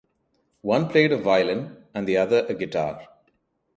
One played a violin and the other a guitar.